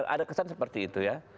ada kesan seperti itu ya